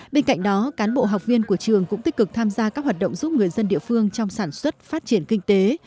bên cạnh đó cán bộ học viên của trường cũng tích cực tham gia các hoạt động giúp người dân địa phương trong sản xuất phát triển kinh tế